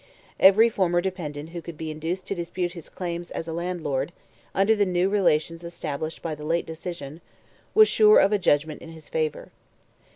Every former dependent who could be induced to dispute his claims as a landlord, under the new relations established by the late decision, was sure of a judgment in his favour.